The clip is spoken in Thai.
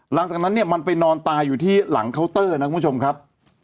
หลังจากนั้นเนี่ยมันไปนอนตายอยู่ที่หลังเคาน์เตอร์นะคุณผู้ชมครับ